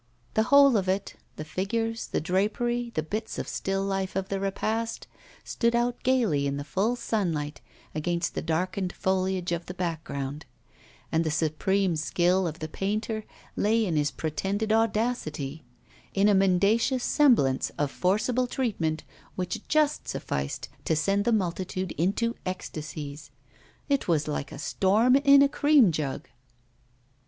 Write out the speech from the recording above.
The whole of it, the figures, the drapery, the bits of still life of the repast, stood out gaily in full sunlight against the darkened foliage of the background; and the supreme skill of the painter lay in his pretended audacity, in a mendacious semblance of forcible treatment which just sufficed to send the multitude into ecstasies. It was like a storm in a cream jug!